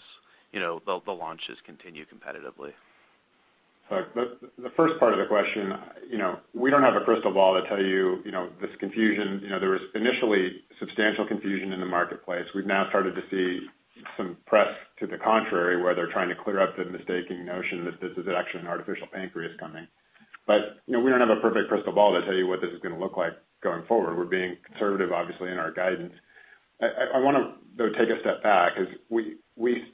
you know, the launches continue competitively? The first part of the question, you know, we don't have a crystal ball to tell you know, this confusion. You know, there was initially substantial confusion in the marketplace. We've now started to see some press to the contrary, where they're trying to clear up the mistaken notion that this is actually an artificial pancreas coming. But, you know, we don't have a perfect crystal ball to tell you what this is gonna look like going forward. We're being conservative, obviously, in our guidance. I wanna though take a step back because we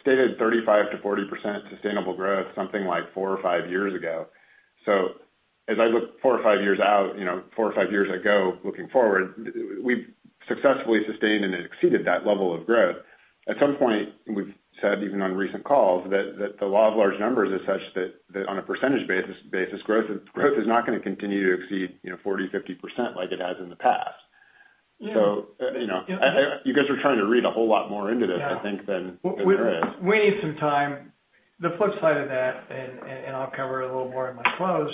stated 35%-40% sustainable growth something like four or five years ago. As I look four or five years out, you know, four or five years ago, looking forward, we've successfully sustained and exceeded that level of growth. At some point, we've said even on recent calls that the law of large numbers is such that on a percentage basis, growth is not gonna continue to exceed, you know, 40%, 50% like it has in the past. Yeah. You know, you guys are trying to read a whole lot more into this, I think, than there is. We need some time. The flip side of that, and I'll cover a little more in my close,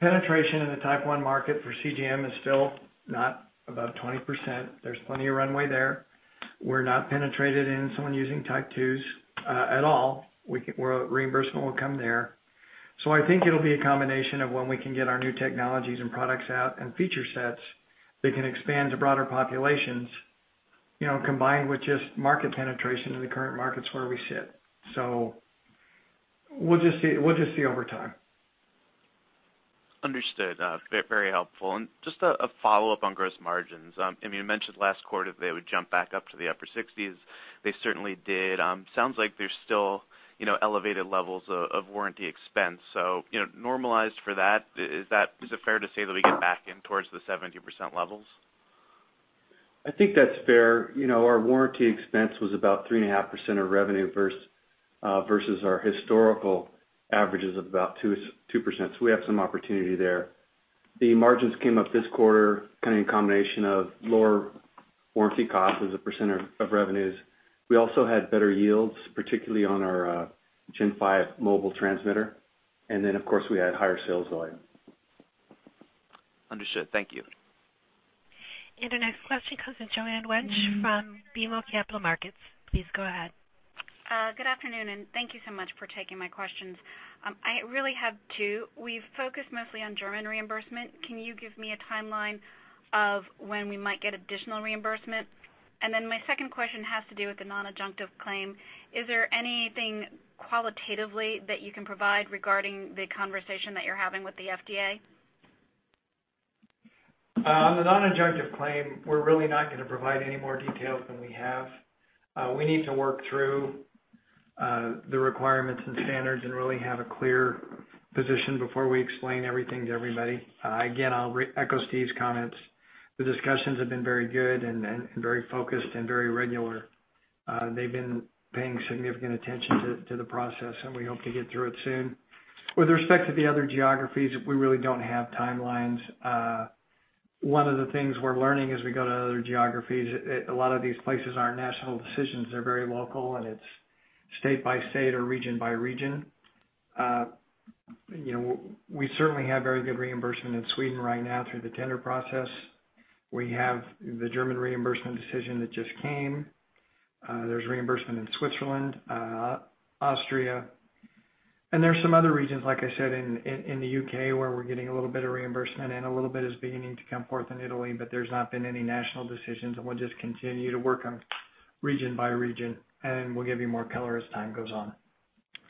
penetration in the type 1 market for CGM is still not above 20%. There's plenty of runway there. We're not penetrated in type 2s at all. Well, reimbursement will come there. I think it'll be a combination of when we can get our new technologies and products out and feature sets that can expand to broader populations, you know, combined with just market penetration in the current markets where we sit. We'll just see over time. Understood. Very helpful. Just a follow-up on gross margins. I mean, you mentioned last quarter they would jump back up to the upper 60s%. They certainly did. Sounds like there's still, you know, elevated levels of warranty expense. You know, normalized for that, is it fair to say that we get back in towards the 70% levels? I think that's fair. You know, our warranty expense was about 3.5% of revenue versus our historical averages of about 2%. We have some opportunity there. The margins came up this quarter kind of in combination of lower warranty costs as a percent of revenues. We also had better yields, particularly on our G5 mobile transmitter. Of course, we had higher sales volume. Understood. Thank you. The next question comes in Joanne Wuensch from BMO Capital Markets. Please go ahead. Good afternoon, and thank you so much for taking my questions. I really have two. We've focused mostly on German reimbursement. Can you give me a timeline of when we might get additional reimbursement? My second question has to do with the non-adjunctive claim. Is there anything qualitatively that you can provide regarding the conversation that you're having with the FDA? On the non-adjunctive claim, we're really not gonna provide any more details than we have. We need to work through the requirements and standards and really have a clear position before we explain everything to everybody. Again, I'll re-echo Steve's comments. The discussions have been very good and very focused and very regular. They've been paying significant attention to the process, and we hope to get through it soon. With respect to the other geographies, we really don't have timelines. One of the things we're learning as we go to other geographies, a lot of these places aren't national decisions. They're very local, and it's state by state or region by region. You know, we certainly have very good reimbursement in Sweden right now through the tender process. We have the German reimbursement decision that just came. There's reimbursement in Switzerland, Austria, and there are some other regions, like I said, in the U.K., where we're getting a little bit of reimbursement and a little bit is beginning to come forth in Italy, but there's not been any national decisions, and we'll just continue to work on region by region, and we'll give you more color as time goes on.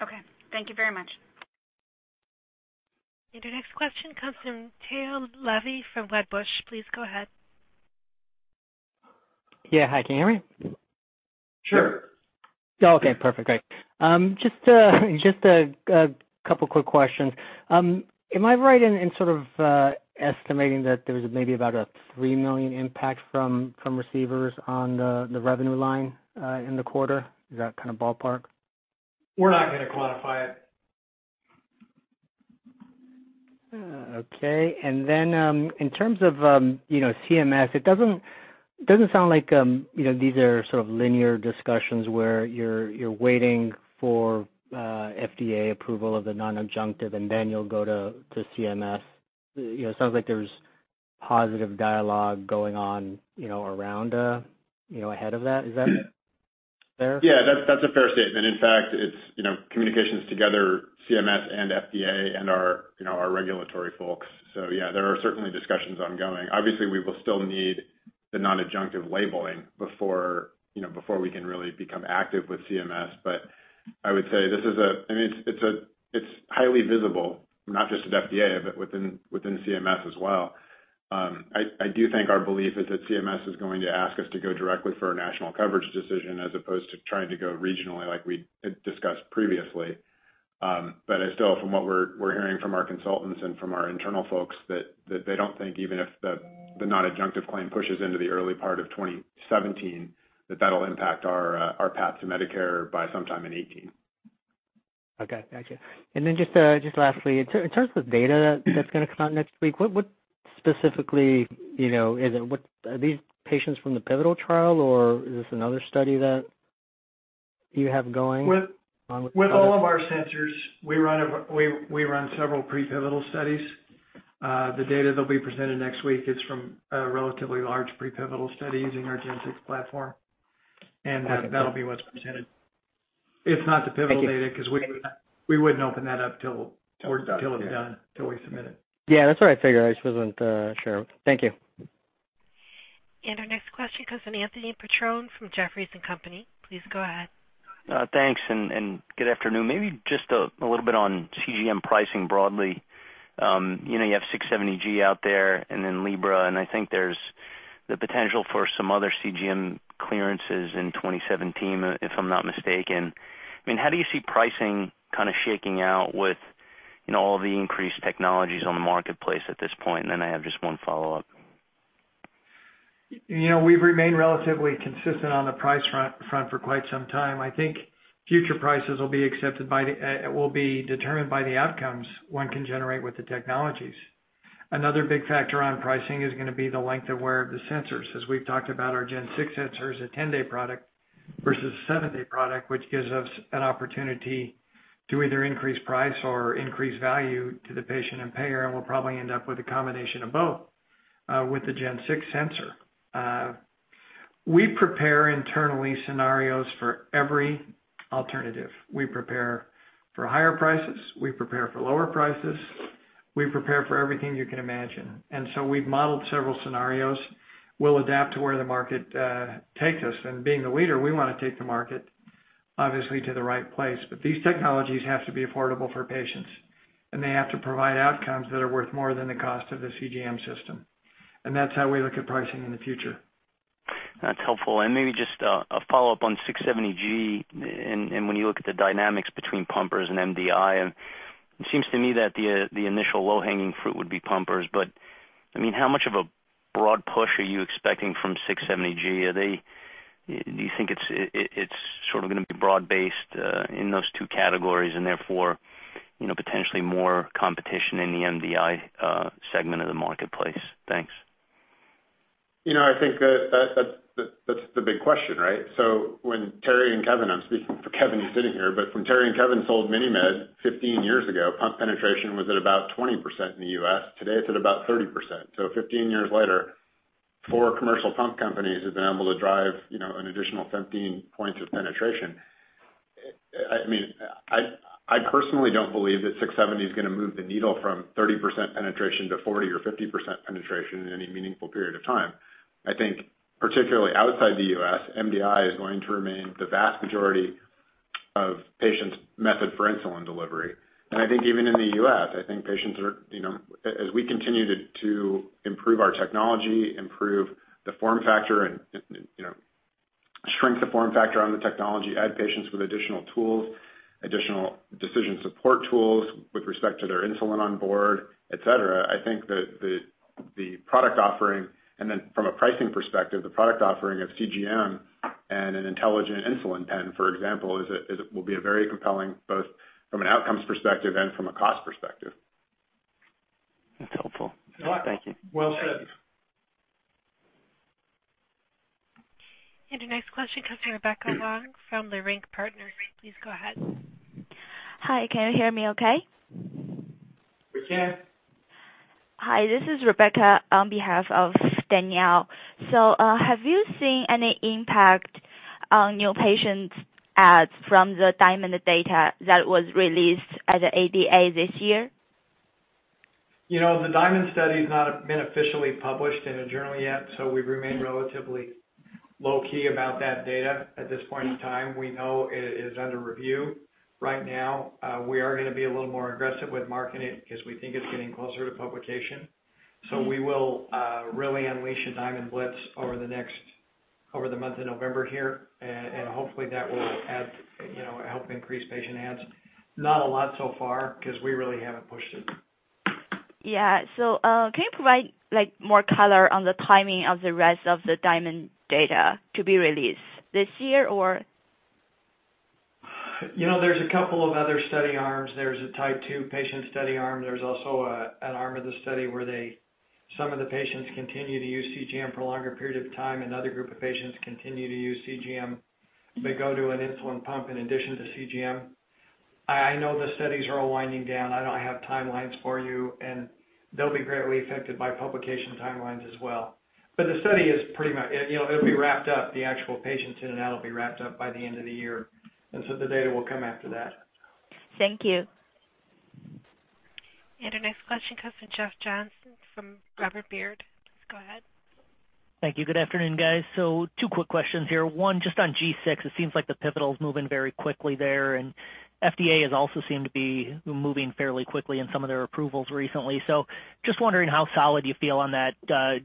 Okay, thank you very much. Our next question comes from Tao Levy from Wedbush. Please go ahead. Yeah. Hi, can you hear me? Sure. Just a couple quick questions. Am I right in sort of estimating that there was maybe about a $3 million impact from receivers on the revenue line in the quarter? Is that kind of ballpark? We're not gonna quantify it. Okay. Then, in terms of, you know, CMS, it doesn't sound like, you know, these are sort of linear discussions where you're waiting for, FDA approval of the non-adjunctive, and then you'll go to, CMS. You know, it sounds like there's positive dialogue going on, you know, around, you know, ahead of that. Is that fair? Yeah, that's a fair statement. In fact, it's, you know, communications together, CMS and FDA and our, you know, our regulatory folks. Yeah, there are certainly discussions ongoing. Obviously, we will still need the non-adjunctive labeling before, you know, before we can really become active with CMS. But I would say this is a. I mean, it's highly visible, not just at FDA, but within CMS as well. I do think our belief is that CMS is going to ask us to go directly for a national coverage decision as opposed to trying to go regionally, like we had discussed previously. Still, from what we're hearing from our consultants and from our internal folks that they don't think even if the non-adjunctive claim pushes into the early part of 2017, that that'll impact our path to Medicare by sometime in 2018. Okay, thank you. Then just lastly, in terms of data that's gonna come out next week, what specifically, you know, is it? Are these patients from the pivotal trial, or is this another study that you have going on with? With all of our sensors, we run several pre-pivotal studies. The data that'll be presented next week is from a relatively large pre-pivotal study using our Gen 6 platform. Okay. That'll be what's presented. It's not the pivotal data. Thank you. 'Cause we wouldn't open that up till. Till it's done. Yeah. Till it's done, till we submit it. Yeah, that's what I figured. I just wasn't sure. Thank you. Our next question comes from Anthony Petrone from Jefferies & Company. Please go ahead. Thanks and good afternoon. Maybe just a little bit on CGM pricing broadly. You know, you have 670G out there and then Libre, and I think there's the potential for some other CGM clearances in 2017, if I'm not mistaken. I mean, how do you see pricing kind of shaking out with, you know, all the increased technologies on the marketplace at this point? Then I have just one follow-up. You know, we've remained relatively consistent on the price front for quite some time. I think future prices will be determined by the outcomes one can generate with the technologies. Another big factor on pricing is gonna be the length of wear of the sensors. As we've talked about our Gen 6 sensor is a 10-day product versus a seven-day product, which gives us an opportunity to either increase price or increase value to the patient and payer, and we'll probably end up with a combination of both with the Gen 6 sensor. We prepare internally scenarios for every alternative. We prepare for higher prices. We prepare for lower prices. We prepare for everything you can imagine. We've modeled several scenarios. We'll adapt to where the market takes us, and being the leader, we wanna take the market, obviously, to the right place. These technologies have to be affordable for patients, and they have to provide outcomes that are worth more than the cost of the CGM system. That's how we look at pricing in the future. That's helpful. Maybe just a follow-up on 670G and when you look at the dynamics between pumpers and MDI, it seems to me that the initial low-hanging fruit would be pumpers. I mean, how much of a broad push are you expecting from 670G? Do you think it's sort of gonna be broad-based in those two categories and therefore, you know, potentially more competition in the MDI segment of the marketplace? Thanks. You know, I think that's the big question, right? When Terry and Kevin, I'm speaking for Kevin who's sitting here, but when Terry and Kevin sold MiniMed 15 years ago, pump penetration was at about 20% in the U.S. Today, it's at about 30%. Fifteen years later, four commercial pump companies have been able to drive, you know, an additional 15 points of penetration. I mean, I personally don't believe that six seventy is gonna move the needle from 30% penetration to 40% or 50% penetration in any meaningful period of time. I think particularly outside the U.S., MDI is going to remain the vast majority of patients' method for insulin delivery. I think even in the U.S., I think patients are, you know, as we continue to improve our technology, improve the form factor and, you know, shrink the form factor on the technology, add patients with additional tools, additional decision support tools with respect to their insulin on board, et cetera. I think that the product offering and then from a pricing perspective, the product offering of CGM and an intelligent insulin pen, for example, will be a very compelling both from an outcomes perspective and from a cost perspective. That's helpful. Thank you. Well said. The next question comes from Rebecca Wang from Leerink Partners. Please go ahead. Hi. Can you hear me okay? We can. Hi, this is Rebecca on behalf of Danielle. Have you seen any impact on new patients adds from the DIaMonD data that was released at the ADA this year? You know, the DIaMonD study has not been officially published in a journal yet, so we remain relatively low-key about that data at this point in time. We know it is under review right now. We are gonna be a little more aggressive with marketing because we think it's getting closer to publication. We will really unleash a DIaMonD blitz over the month of November here. Hopefully that will add, you know, help increase patient adds. Not a lot so far because we really haven't pushed it. Can you provide like, more color on the timing of the rest of the DIaMonD data to be released this year, or? You know, there's a couple of other study arms. There's a type 2 patient study arm. There's also an arm of the study where they some of the patients continue to use CGM for a longer period of time, another group of patients continue to use CGM, but go to an insulin pump in addition to CGM. I know the studies are all winding down. I don't have timelines for you, and they'll be greatly affected by publication timelines as well. But the study is pretty much you know it'll be wrapped up. The actual patients in and out will be wrapped up by the end of the year. The data will come after that. Thank you. Our next question comes from Jeff Johnson from Robert W. Baird. Please go ahead. Thank you. Good afternoon, guys. Two quick questions here. One, just on G6, it seems like the pivotal is moving very quickly there, and FDA has also seemed to be moving fairly quickly in some of their approvals recently. Just wondering how solid you feel on that,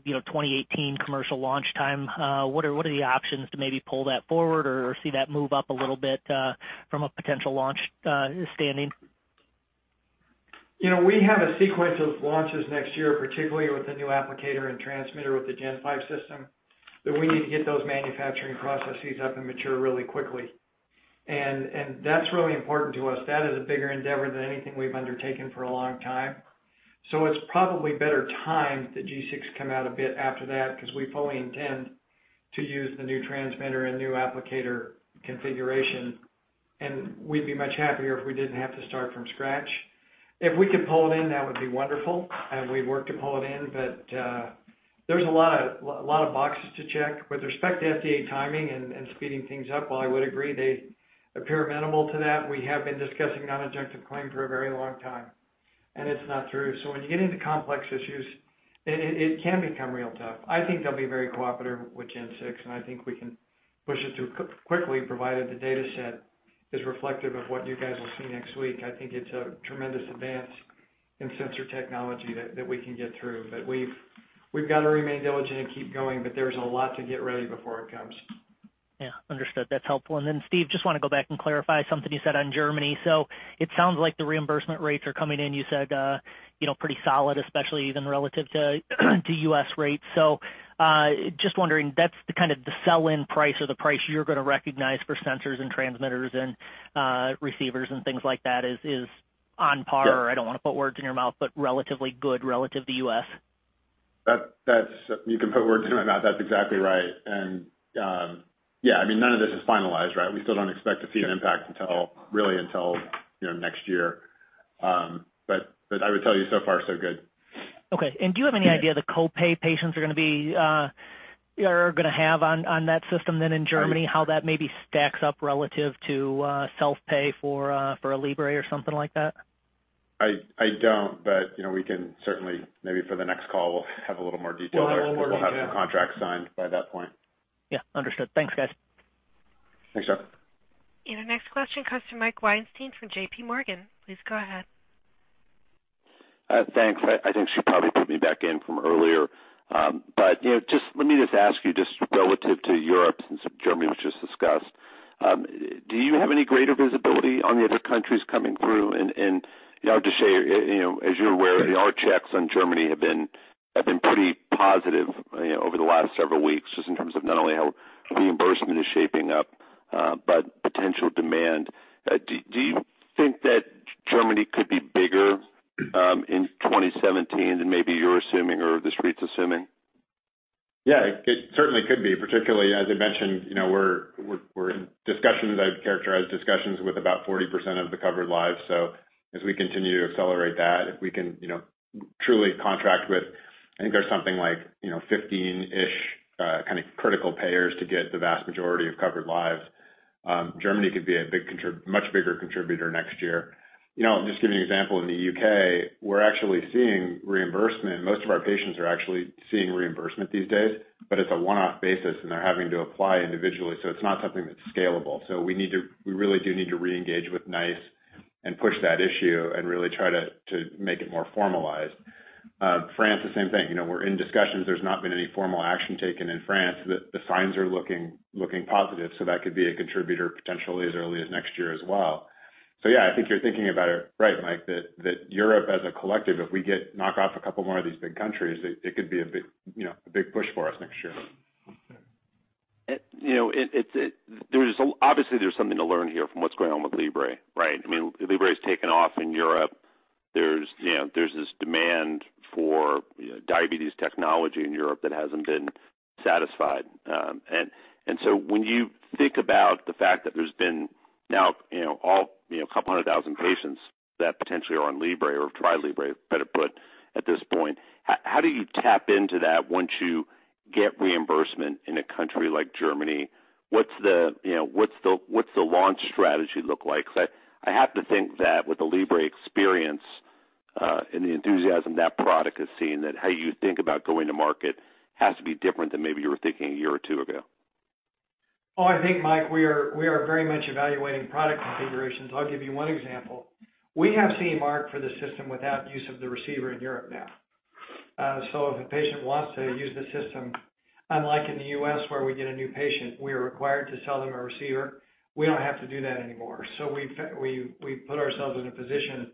you know, 2018 commercial launch time. What are the options to maybe pull that forward or see that move up a little bit from a potential launch standing? You know, we have a sequence of launches next year, particularly with the new applicator and transmitter with the G5 system, that we need to get those manufacturing processes up and mature really quickly. That's really important to us. That is a bigger endeavor than anything we've undertaken for a long time. It's probably better timed that G6 come out a bit after that because we fully intend to use the new transmitter and new applicator configuration, and we'd be much happier if we didn't have to start from scratch. If we could pull it in, that would be wonderful and we'd work to pull it in. There's a lot of boxes to check. With respect to FDA timing and speeding things up, while I would agree they appear amenable to that, we have been discussing non-adjunctive claim for a very long time, and it's not through. When you get into complex issues, it can become real tough. I think they'll be very cooperative with Gen 6, and I think we can push it through quickly provided the data set is reflective of what you guys will see next week. I think it's a tremendous advance in sensor technology that we can get through. We've got to remain diligent and keep going, but there's a lot to get ready before it comes. Yeah. Understood. That's helpful. Steve, just wanna go back and clarify something you said on Germany. It sounds like the reimbursement rates are coming in, you said, you know, pretty solid, especially even relative to U.S. rates. Just wondering, that's the kind of the sell-in price or the price you're gonna recognize for sensors and transmitters and receivers and things like that is on par. I don't wanna put words in your mouth, but relatively good relative to U.S. You can put words in my mouth. That's exactly right. Yeah, I mean, none of this is finalized, right? We still don't expect to see an impact until, really until, you know, next year. But I would tell you so far so good. Do you have any idea the co-pay patients are gonna have on that system in Germany, how that maybe stacks up relative to self-pay for a Libre or something like that? I don't, but you know, we can certainly maybe for the next call we'll have a little more detail. Well, we'll know more, yeah. We'll have some contracts signed by that point. Yeah, understood. Thanks, guys. Thanks, Jeff. Our next question comes from Mike Weinstein from JPMorgan. Please go ahead. Thanks. I think she probably put me back in from earlier. You know, just let me just ask you, just relative to Europe since Germany was just discussed, do you have any greater visibility on the other countries coming through? You know, I'll just share, you know, as you're aware, our checks on Germany have been pretty positive, you know, over the last several weeks, just in terms of not only how reimbursement is shaping up, but potential demand. Do you think that Germany could be bigger in 2017 than maybe you're assuming or the Street's assuming? Yeah, it certainly could be, particularly as I mentioned, you know, we're in discussions. I'd characterize discussions with about 40% of the covered lives. So as we continue to accelerate that, if we can, you know, truly contract with, I think there's something like, you know, 15-ish kind of critical payers to get the vast majority of covered lives. Germany could be a much bigger contributor next year. You know, just give you an example, in the U.K., we're actually seeing reimbursement. Most of our patients are actually seeing reimbursement these days, but it's a one-off basis, and they're having to apply individually, so it's not something that's scalable. So we really do need to reengage with NICE and push that issue and really try to make it more formalized. France, the same thing. You know, we're in discussions. There's not been any formal action taken in France. The signs are looking positive, so that could be a contributor potentially as early as next year as well. Yeah, I think you're thinking about it right, Mike, that Europe as a collective, if we knock off a couple more of these big countries, it could be a big, you know, a big push for us next year. You know, there is obviously there's something to learn here from what's going on with Libre, right? I mean, Libre has taken off in Europe. There's, you know, this demand for, you know, diabetes technology in Europe that hasn't been satisfied. So when you think about the fact that there's been now, you know, all, you know, a couple 100,000 patients that potentially are on Libre or have tried Libre, better put, at this point, how do you tap into that once you get reimbursement in a country like Germany? What's the, you know, launch strategy look like? 'Cause I have to think that with the Libre experience, and the enthusiasm that product has seen, that how you think about going to market has to be different than maybe you were thinking a year or two ago. I think, Mike, we are very much evaluating product configurations. I'll give you one example. We have CE Mark for the system without use of the receiver in Europe now. If a patient wants to use the system, unlike in the U.S. where we get a new patient, we are required to sell them a receiver. We don't have to do that anymore. We've put ourselves in a position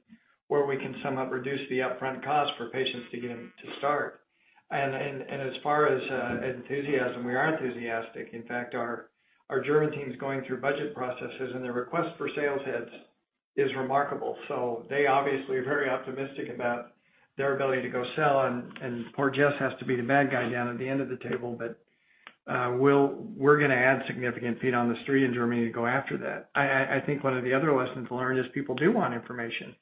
where we can somewhat reduce the upfront cost for patients to get them to start. As far as enthusiasm, we are enthusiastic. In fact, our German team is going through budget processes, and their request for sales heads is remarkable. They obviously are very optimistic about their ability to go sell. Poor Jess has to be the bad guy down at the end of the table. We're gonna add significant feet on the street in Germany to go after that. I think one of the other lessons learned is people do want information.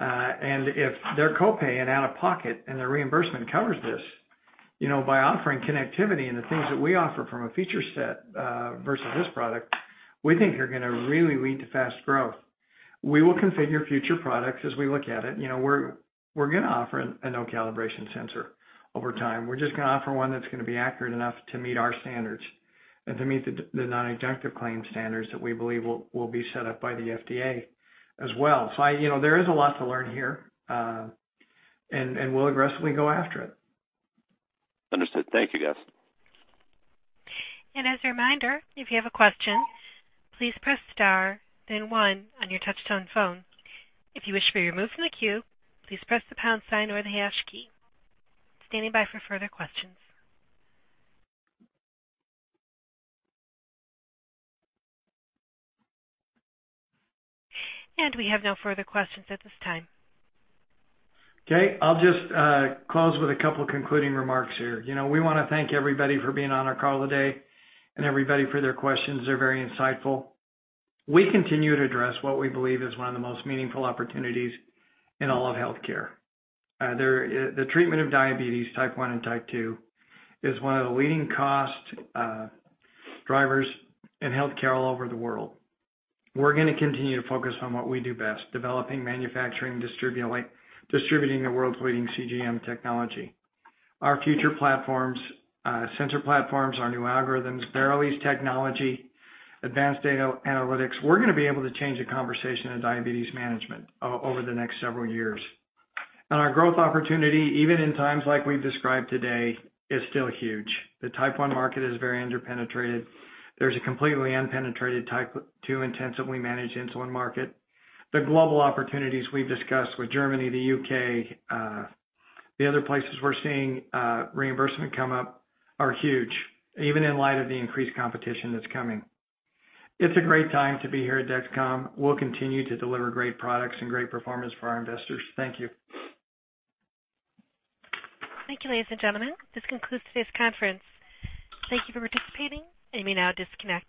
If their copay and out-of-pocket and their reimbursement covers this, you know, by offering connectivity and the things that we offer from a feature set versus this product, we think are gonna really lead to fast growth. We will configure future products as we look at it. You know, we're gonna offer a no-calibration sensor over time. We're just gonna offer one that's gonna be accurate enough to meet our standards and to meet the non-adjunctive claim standards that we believe will be set up by the FDA as well. You know, there is a lot to learn here, and we'll aggressively go after it. Understood. Thank you, guys. As a reminder, if you have a question, please press star then one on your touchtone phone. If you wish to be removed from the queue, please press the pound sign or the hash key. Standing by for further questions. We have no further questions at this time. Okay. I'll just close with a couple concluding remarks here. You know, we wanna thank everybody for being on our call today and everybody for their questions. They're very insightful. We continue to address what we believe is one of the most meaningful opportunities in all of healthcare. The treatment of diabetes, type 1 and type 2, is one of the leading cost drivers in healthcare all over the world. We're gonna continue to focus on what we do best, developing, manufacturing, distributing the world's leading CGM technology. Our future platforms, sensor platforms, our new algorithms, Verily's technology, advanced data analytics, we're gonna be able to change the conversation in diabetes management over the next several years. Our growth opportunity, even in times like we've described today, is still huge. The type 1 market is very under-penetrated. There's a completely unpenetrated type 2 intensively managed insulin market. The global opportunities we've discussed with Germany, the U.K., the other places we're seeing, reimbursement come up are huge, even in light of the increased competition that's coming. It's a great time to be here at Dexcom. We'll continue to deliver great products and great performance for our investors. Thank you. Thank you, ladies and gentlemen. This concludes today's conference. Thank you for participating. You may now disconnect.